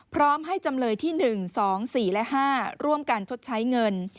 พร้อมให้จำเลยที่๑๒๔และ๕ร่วมกันชดใช้เงิน